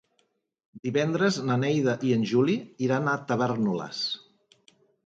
Divendres na Neida i en Juli iran a Tavèrnoles.